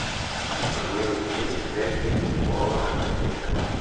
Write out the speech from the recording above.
Li komencis verki por la gazeto.